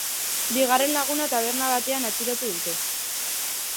Bigarren laguna taberna batean atxilotu dute.